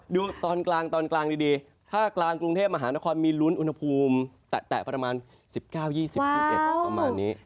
ดูตอนกลางตอนกลางดีถ้ากลางกรุงเทพมหานครมีลุ้นอุณหภูมิแตะประมาณ๑๙๒๐๒๑ประมาณนี้